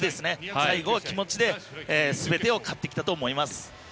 最後は気持ちで全てを勝ってきたと思います。